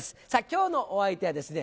今日のお相手はですね